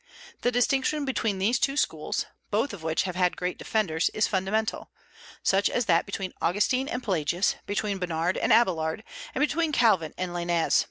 The distinction between these two schools, both of which have had great defenders, is fundamental, such as that between Augustine and Pelagius, between Bernard and Abélard, and between Calvin and Lainez.